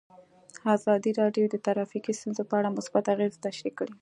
ازادي راډیو د ټرافیکي ستونزې په اړه مثبت اغېزې تشریح کړي.